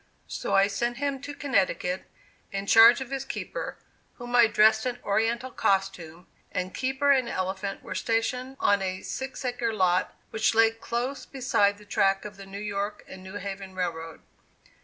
So I sent him to Connecticut in charge of his keeper, whom I dressed in Oriental costume, and keeper and elephant were stationed on a six acre lot which lay close beside the track of the New York and New Haven Railroad.